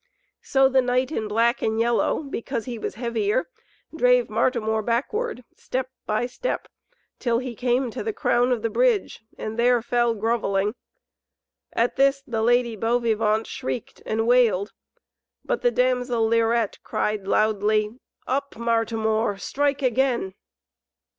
So the knight in black and yellow, because he was heavier, drave Martimor backward step by step till he came to the crown of the bridge, and there fell grovelling. At this the Lady Beauvivante shrieked and wailed, but the damsel Lirette cried loudly, "Up! Martimor, strike again!"